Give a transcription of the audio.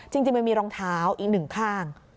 จริงมันมีรองเท้าอีกหนึ่งข้าง